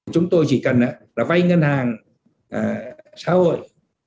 chúng tôi chỉ cần là vay ngân hàng xã hội